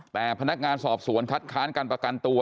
แต่พนักงานสอบสวนคัดค้านการประกันตัว